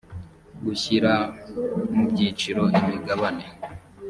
gushyira mu byiciro imigabane